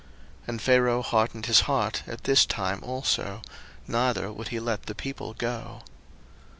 02:008:032 And Pharaoh hardened his heart at this time also, neither would he let the people go.